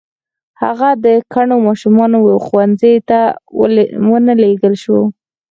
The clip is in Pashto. هغه د کڼو ماشومانو ښوونځي ته و نه لېږل شو.